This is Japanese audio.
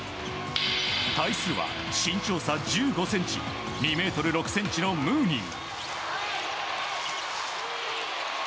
対するは、身長差１５ｃｍ２ｍ６ｃｍのムーニー。